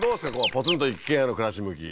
ポツンと一軒家の暮らし向き